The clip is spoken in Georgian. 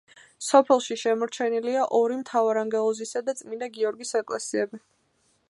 სოფელში შემორჩენილია ორი, მთავარანგელოზისა და წმინდა გიორგის ეკლესიები.